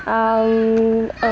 ở môi trường